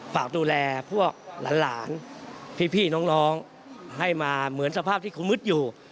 ฝากดูแลพวกหลานพี่น้องให้มาเหมือนสภาพที่เขามืดอยู่